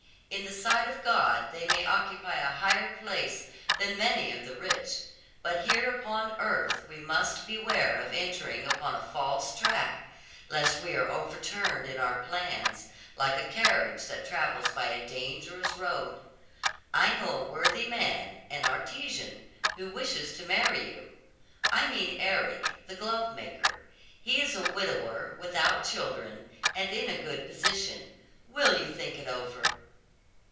'In the sight of God, they may occupy a higher place than many of the rich; but here upon earth we must beware of entering upon a false track, lest we are overturned in our plans, like a carriage that travels by a dangerous road. I know a worthy man, an artisan, who wishes to marry you. I mean Eric, the glovemaker. He is a widower, without children, and in a good position. Will you think it over?'